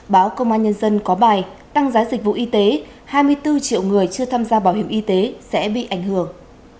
báo công an nhân dân có bài tăng giá dịch vụ y tế hai mươi bốn triệu người chưa tham gia bảo hiểm y tế sẽ bị ảnh hưởng